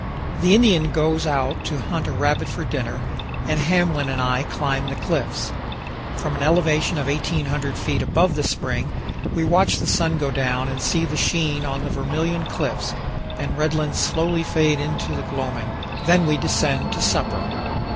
The Indian goes out to hunt a rabbit for supper, and Hamblin and I climb the cliffs. From an elevation of 1,800 feet above the spring we watch the sun go down and see the sheen on the Vermilion Cliffs and red lands slowly fade into the gloaming; then we descend to supper.